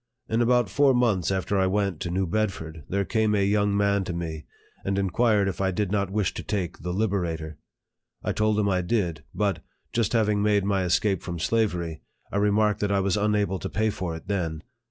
In about four months after I went to New Bedford, there came a young man to me, and inquired if I did not wish to take the " Liberator." I told him I did ; but, just having made my escape from slavery, I re marked that I was unable to pay for it then.